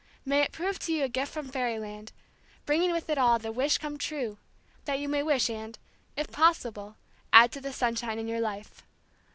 May it prove to you a gift from Fairyland, bringing with it all the "wish come true" that you may wish and, if possible, add to the sunshine in your life.